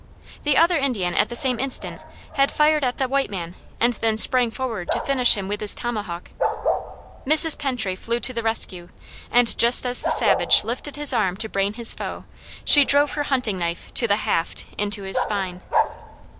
The other Indian at the same instant had fired at the white man and then sprang forward to finish him with his tomahawk. Mrs. Pentry flew to the rescue and just as the savage lifted his arm to brain his foe, she drove her hunting knife to the haft into his spine.